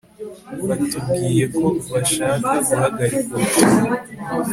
batubwiye ko bashaka guhagarika ubutumwa